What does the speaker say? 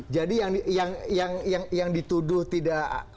jadi yang dituduh tidak